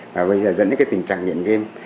và bây giờ dẫn đến cái tình trạng nghiện game